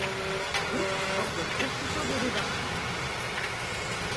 Rooke ordonne aussitôt de débarquer.